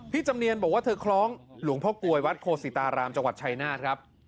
จำเนียนบอกว่าเธอคล้องหลวงพ่อกลวยวัดโคศิตารามจังหวัดชายนาฏครับ